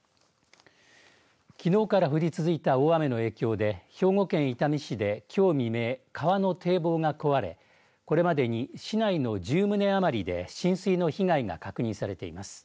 きのうから降り続いた大雨の影響で兵庫県伊丹市で、きょう未明川の堤防が壊れこれまでに市内の１０棟余りで浸水の被害が確認されています。